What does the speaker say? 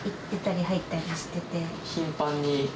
頻繁に？